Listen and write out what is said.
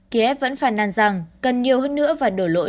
kiev vẫn phàn nàn rằng cần nhiều hơn nữa và đổ lỗi